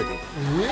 え？